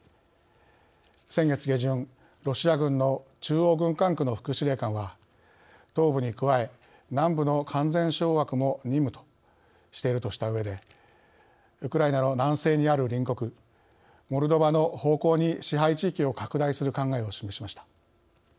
先月下旬、ロシア軍の中央軍管区の副司令官は「東部に加え南部の完全掌握も任務」としているとしたうえでウクライナの南西にある隣国モルドバの方向に支配地域を拡大する考えを示しました。